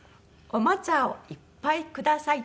「おもちゃをいっぱいください」